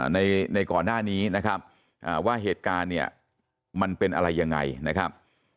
ในก่อนหน้านี้นะครับว่าเหตุการณ์เนี่ยมันเป็นอะไรยังไงนะครับ